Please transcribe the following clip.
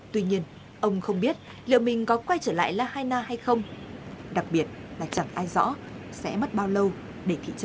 tuy nhiên ông không biết liệu mình có quay trở lại là haina hay không đặc biệt là chẳng ai rõ sẽ mất bao lâu để thị trấn có thể phục hồi